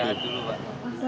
iya nikah dulu pak